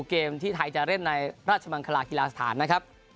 เกมที่ไทยจะเล่นในราชมังคลากีฬาสถานนะครับ